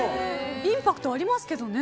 インパクトがありますけどね。